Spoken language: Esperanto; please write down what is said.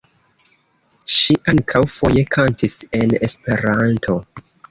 Ŝi ankaŭ foje kantis en Esperanto.